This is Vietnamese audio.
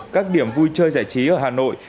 các điểm vui chơi giải trí ở hà nội